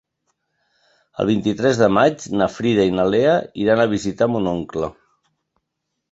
El vint-i-tres de maig na Frida i na Lea iran a visitar mon oncle.